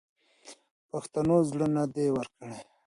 پښتنو زړه نه دی ورکړی.